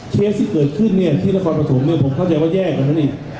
เคสที่เกิดขึ้นเนี่ยที่ละครประสงค์เนี่ยผมเข้าใจว่าแย่กันนะนี่